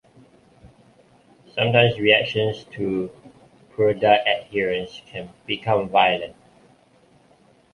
Sometimes reactions to purdah adherence can become violent.